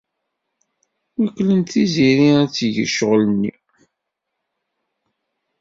Wekklent Tiziri ad teg ccɣel-nni.